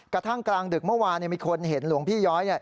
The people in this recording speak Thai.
กระทั่งกลางดึกเมื่อวานมีคนเห็นหลวงพี่ย้อย